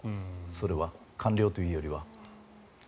それは、官僚というよりは。